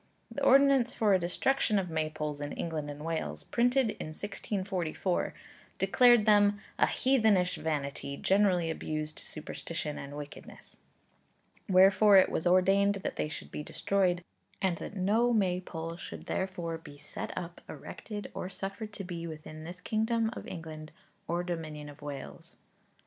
The ordinance for the destruction of Maypoles in England and Wales, printed in 1644, declared them 'a heathenish vanity, generally abused to superstition and wickedness,' wherefore it was ordained that they should be destroyed, and that no Maypole should thereafter be 'set up, erected, or suffered to be within this kingdom of England or dominion of Wales.'